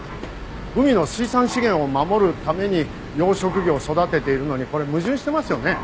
海の水産資源を守るために養殖魚を育てているのにこれ矛盾してますよね？